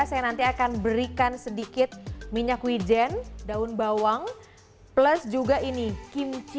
saya nanti akan berikan sedikit minyak wijen daun bawang plus juga ini kimchi